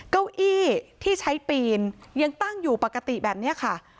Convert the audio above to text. เก้าอี้ที่ใช้ปีนยังตั้งอยู่ปกติแบบนี้ค่ะ